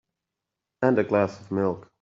And a glass of milk.